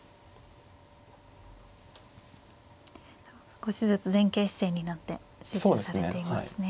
少しずつ前傾姿勢になって集中されていますね。